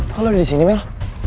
kok lo udah disini mel